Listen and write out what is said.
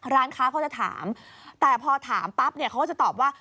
ร้านค้าเขาจะถามแต่พอถามปั๊บเนี่ยเขาก็จะตอบว่า